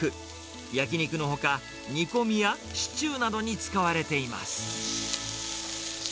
焼き肉のほか、煮込みやシチューなどに使われています。